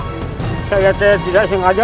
kicurani tadi tidak sengaja